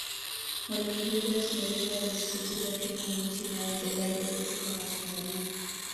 Mwalimu Julius Nyerere alisisitiza Kenya ni nchi inayoendelea mbele tu kama Tanzania